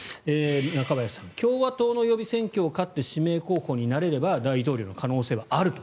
中林さん、共和党の予備選挙を勝って指名候補になれれば大統領の可能性もあると。